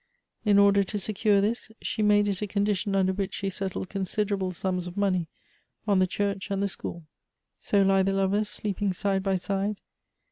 In order to secure this, she made it a condition under which she settled considerable suras of money on the church and the school. So lie the lovers, sleeping side by side.